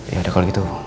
ya udah kalau gitu